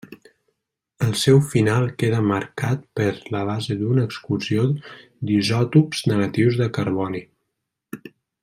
El seu final queda marcat per la base d'una excursió d'isòtops negatius de carboni.